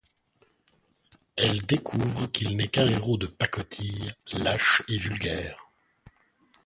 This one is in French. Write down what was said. Elle découvre qu’il n’est qu’un héros de pacotille, lâche et vulgaire.